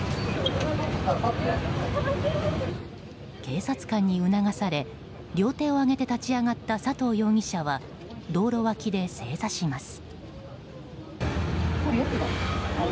警察官に促され両手を上げて立ち上がった佐藤容疑者は道路脇で正座します。